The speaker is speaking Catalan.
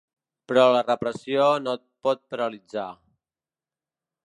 Però la repressió no et pot paralitzar.